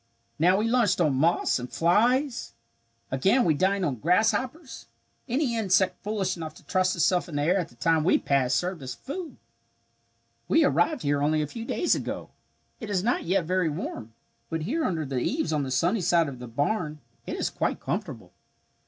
"Now we lunched on moths and flies. Again we dined on grasshoppers. Any insect foolish enough to trust itself in the air at the time we passed served as food. "We arrived here only a few days ago. It is not yet very warm, but here under the eaves on the sunny side of the barn it is quite comfortable.